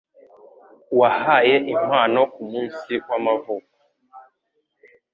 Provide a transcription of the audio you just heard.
Wahaye impano kumunsi w'amavuko?